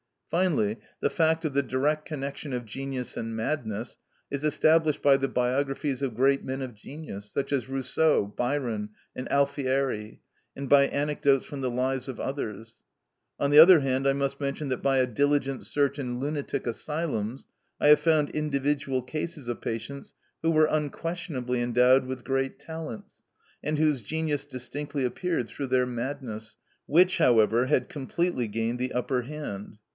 Finally, the fact of the direct connection of genius and madness is established by the biographies of great men of genius, such as Rousseau, Byron, and Alfieri, and by anecdotes from the lives of others. On the other hand, I must mention that, by a diligent search in lunatic asylums, I have found individual cases of patients who were unquestionably endowed with great talents, and whose genius distinctly appeared through their madness, which, however, had completely gained the upper hand.